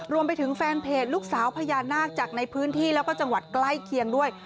รวมไปถึงแฟนเพจลูกสาวพญานาคจากในพื้นที่แล้วก็จังหวัดใกล้เคียงด้วย